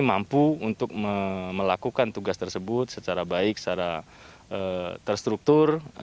mampu untuk melakukan tugas tersebut secara baik secara terstruktur